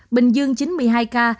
bình dương chín mươi hai ca